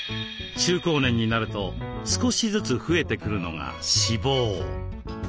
中高年になると少しずつ増えてくるのが脂肪。